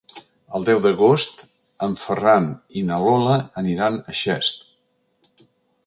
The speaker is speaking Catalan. El deu d'agost en Ferran i na Lola aniran a Xest.